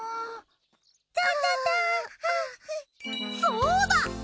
そうだ！